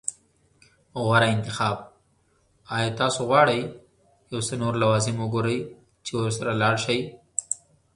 غوره انتخاب. ایا تاسو غواړئ یو څه نور لوازم وګورئ چې ورسره لاړ شئ؟